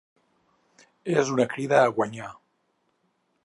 És una crida a guanyar.